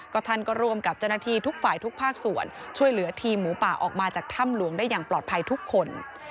ท่านก็ร่วมกับเจ้าหน้าที่ทุกฝ่ายทุกภาคส่วนช่วยเหลือทีมหมูป่าออกมาจากถ้ำหลวงได้อย่างปลอดภัยทุกคน